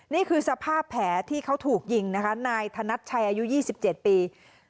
นี่คือสภาพแผลที่เขาถูกยิงนะคะนายธนัดชัยอายุ๒๗ปี